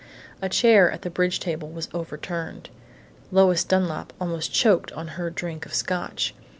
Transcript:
A chair at the bridge table was overturned. Lois Dunlap almost choked on her drink of Scotch.